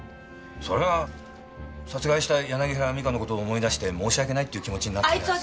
それは殺害した柳原美香の事を思い出して申し訳ないっていう気持ちになったからです。